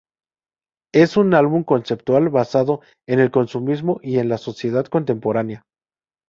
Es un álbum conceptual basado en el consumismo y en la sociedad contemporánea.